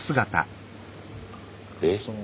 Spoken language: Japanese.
えっ？